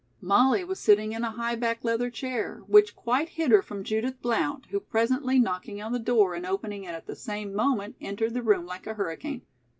Molly was sitting in a high back leather chair, which quite hid her from Judith Blount, who presently, knocking on the door and opening it at the same moment, entered the room like a hurricane.